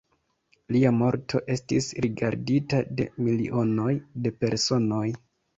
Lia morto estis rigardita de milionoj de personoj.